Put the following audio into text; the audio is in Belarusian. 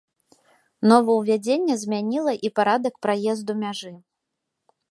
Новаўвядзенне змяніла і парадак праезду мяжы.